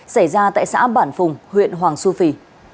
xảy ra tại xã bản phùng huyện hoàng su phi